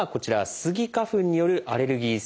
スギ花粉によるアレルギー性鼻炎。